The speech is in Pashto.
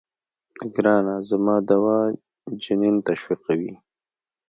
ګرانه زما دوا جنين تشويقوي.